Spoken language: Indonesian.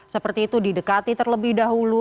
seperti itu didekati terlebih dahulu